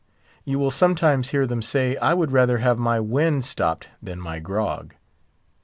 You will sometimes hear them say, "I would rather have my wind stopped than _my grog!